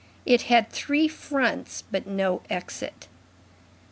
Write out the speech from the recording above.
It had three fronts, but no exit.